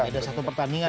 ya ada satu pertandingan